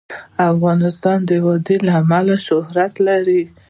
افغانستان د وادي له امله شهرت لري.